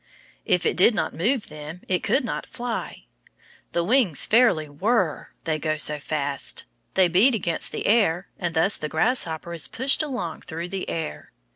If it did not move them, it could not fly. The wings fairly whirr, they go so fast. They beat against the air, and thus the grasshopper is pushed along through the air.